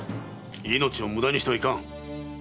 命を無駄にしてはいかん。